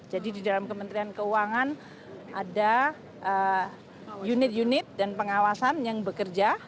jadi di dalam kementerian keuangan ada unit unit dan pengawasan yang bekerja